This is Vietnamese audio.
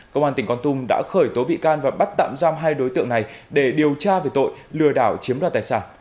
công an tỉnh con tum đã khởi tố bị can và bắt tạm giam hai đối tượng này để điều tra về tội lừa đảo chiếm đoạt tài sản